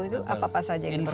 itu apa saja yang diperbaiki